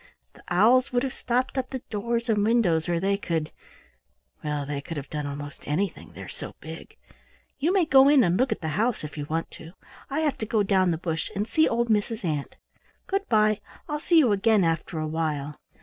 "The owls could have stopped up the doors and windows, or they could —well, they could have done almost anything, they're so big. You may go in and look at the house, if you want to. I have to go down the bush and see old Mrs. Ant. Good bye! I'll see you again after a while."